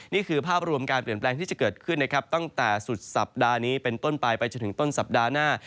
นี่คือภาพรวมการเปลี่ยนแปลงที่จะเกิดขึ้นนะครับตั้งแต่สุดสัปดาห์นี้เป็นต้นปลายไปจนถึงต้นสัปดาห์หน้า